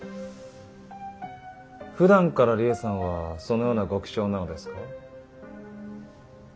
ふだんから梨江さんはそのようなご気性なのですか？